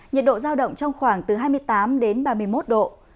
nhiệt độ giao động trong khoảng từ hai mươi tám đến ba mươi một độ